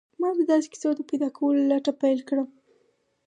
ما د داسې کيسو د پيدا کولو لټه پيل کړه.